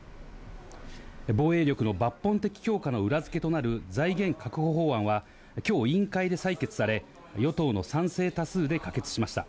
防衛力の抜本的強化の裏付けとなる財源確保法案は、きょう委員会で採決され、与党の賛成多数で可決しました。